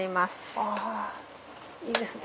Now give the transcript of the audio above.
ああいいですね。